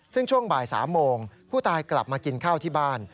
ซึ่งช่วงบ่าย๓โมงผู้ตายกลับมากินข้าวที่บ้าน